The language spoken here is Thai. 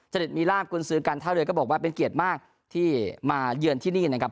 เด็ดมีลาบกุญซื้อการท่าเรือก็บอกว่าเป็นเกียรติมากที่มาเยือนที่นี่นะครับ